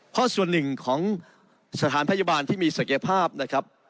เพราะส่วนหนึ่งของสถานพยาบาลที่มีศักยภาพนะครับ